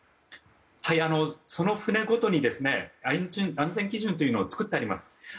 その船ごとに安全基準というのを作ってあります。